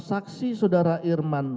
saksi saudara irman